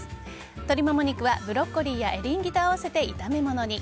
鶏モモ肉は、ブロッコリーやエリンギと合わせて炒め物に。